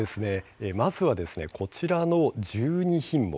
まずは、こちらの１２品目